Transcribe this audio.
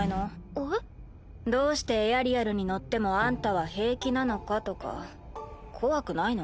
えっ？どうしてエアリアルに乗ってもあんたは平気なのかとか。怖くないの？